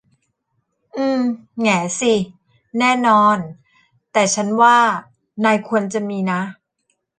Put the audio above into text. อืม แหงสิ แน่นอน แต่ฉันว่านายควรจะมีนะ